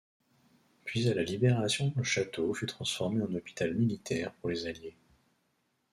Puis à la Libération le château fut transformé en hôpital militaire pour les Alliés.